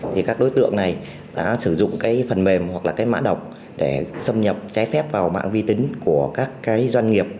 thì các đối tượng này đã sử dụng cái phần mềm hoặc là cái mã độc để xâm nhập trái phép vào mạng vi tính của các cái doanh nghiệp